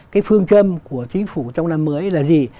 cái phương châm của chính phủ trong năm mới là gì